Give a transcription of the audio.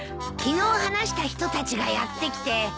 昨日話した人たちがやって来て。